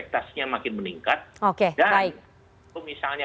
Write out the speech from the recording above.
dan kalau misalnya